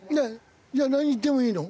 じゃあ何言ってもいいの？